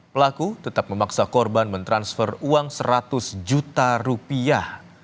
pelaku tetap memaksa korban mentransfer uang seratus juta rupiah